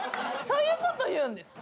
そういうこと言うんです。